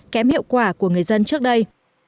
kém hiệu quả của người dân trước đây